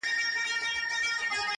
o په بوتلونو شـــــراب ماڅښلي،